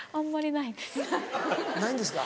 ないんですか？